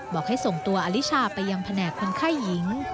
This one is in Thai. บอกให้ส่งตัวอลิชาไปยังแผนกคนไข้หญิง